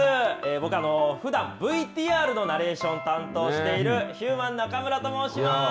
僕は、ふだん、ＶＴＲのナレーションを担当している、ヒューマン中村と申します。